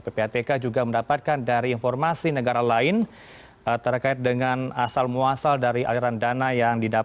ppatk juga mendapatkan dari informasi negara lain terkait dengan asal muasal dari aliran kasus korupsi lukas nmb